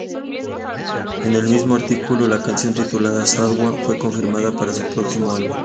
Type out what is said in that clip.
En el mismo artículo, la canción titulada "Shadow" fue confirmada para su próximo álbum.